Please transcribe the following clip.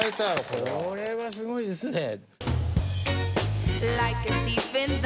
これはすごいですね。